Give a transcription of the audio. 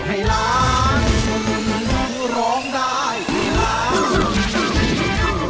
แสนสองครับผมแสนสองครับผม